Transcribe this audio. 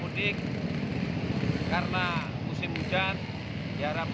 numer sog keluar dari hampir tiap hari terutama dengan enduranceowej kembali dari water